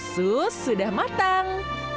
sous sudah matang